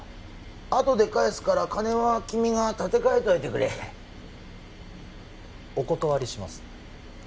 あとで返すから金は君が立て替えといてくれお断りします